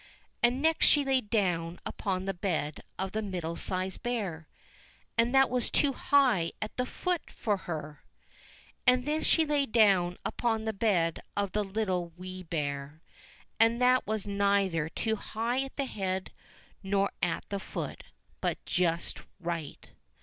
And next she lay down upon the bed of the Middle sized Bear, and that was too high at the foot for her. And then she lay down upon the bed of the Little Wee Bear, and that was neither too high at the head, nor at the foot, but just right.